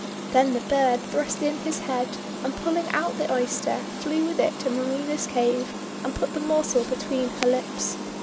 Then the bird thrust in his head and pulling out the Oyster, flew with it to Marina's cave, and put the morsel between her lips.